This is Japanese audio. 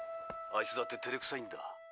あいつだっててれくさいんだ。